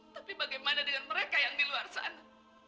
tapi bagaimana dengan mereka yang di luar sana